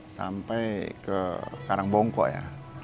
sampai ke karang bongko ya